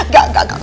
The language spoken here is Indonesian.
gak gak gak